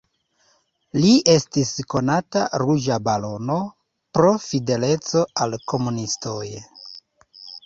Li estis konata "Ruĝa barono" pro fideleco al komunistoj.